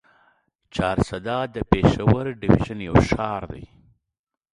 چارسده د پېښور ډويژن يو ښار دی.